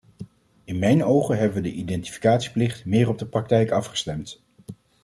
In mijn ogen hebben we de identificatieplicht meer op de praktijk afgestemd.